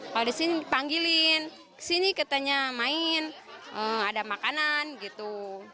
kalau di sini dipanggilin kesini katanya main ada makanan gitu